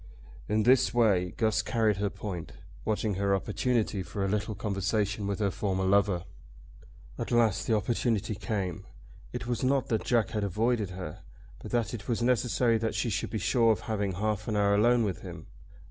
In this way Guss carried her point, watching her opportunity for a little conversation with her former lover. At last the opportunity came. It was not that Jack had avoided her, but that it was necessary that she should be sure of having half an hour alone with him.